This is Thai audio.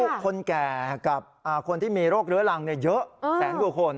คนแก่กับคนที่มีโรคเรื้อรังเยอะแสนกว่าคน